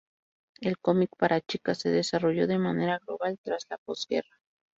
El cómic para chicas se desarrolló de manera global tras la postguerra.